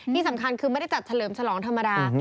ที่สำคัญคือไม่ได้จัดเฉลิมฉลองธรรมดา